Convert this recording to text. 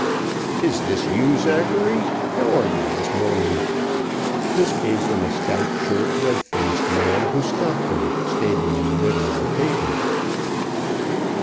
"Is this you, Zachary? How are you this morning?" This came from a stout, short, red faced man, who stopped them, standing in the middle of the pavement.